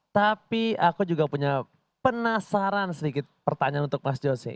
tapi aku juga punya penasaran sedikit pertanyaan untuk mas jose